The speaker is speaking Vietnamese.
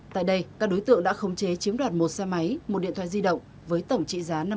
tại đây các đối tượng đã khống chế chiếm đoạt một xe máy một điện thoại di động với tổng trị giá